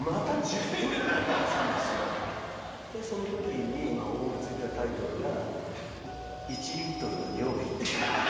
でそのときに思い付いたタイトルが。